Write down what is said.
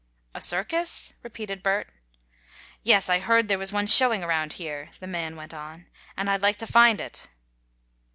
"A circus?" repeated Bert. "Yes, I heard there was one showing around here," the man went on, "and I'd like to find it."